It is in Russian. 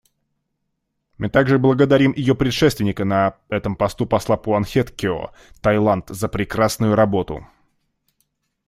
Мы также благодарим ее предшественника на этом посту посла Пхуангкеткеоу, Таиланд, за прекрасную работу.